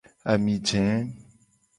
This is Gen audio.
Ami je.